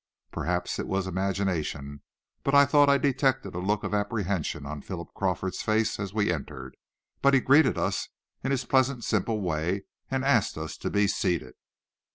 Perhaps it was imagination, but I thought I detected a look of apprehension on Philip Crawford's face, as we entered, but he greeted us in his pleasant, simple way, and asked us to be seated.